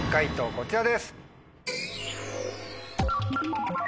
こちらです。